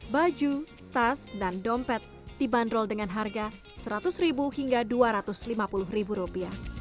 baju tas dan dompet dibanderol dengan harga rp seratus hingga rp dua ratus lima puluh